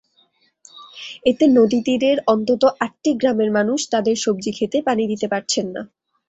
এতে নদীতীরের অন্তত আটটি গ্রামের মানুষ তাঁদের সবজিখেতে পানি দিতে পারছেন না।